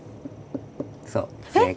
そう正解。